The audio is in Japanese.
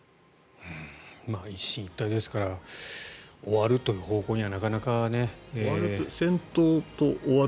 一進一退ですから終わるという方向には